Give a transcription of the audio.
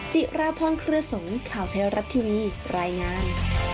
จิราพรเครือสงข่าวไทยรัฐทีวีรายงาน